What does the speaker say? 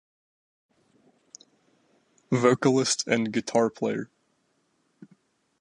Vocalist and guitar player.